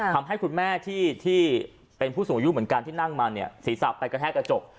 ทำให้คุณแม่ที่เป็นผู้สูงอายุเหมือนกันที่นั่งมาเนี่ยศีรษะไปกระแทกกระจก